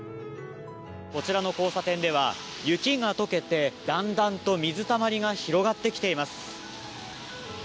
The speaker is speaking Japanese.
こちらの交差点では雪が解けてだんだんと水たまりが広がってきています。